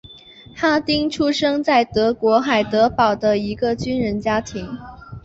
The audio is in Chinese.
哈丁出生在德国海德堡的一个军人家庭。